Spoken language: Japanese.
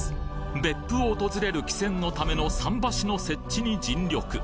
別府を訪れる汽船のための桟橋の設置に尽力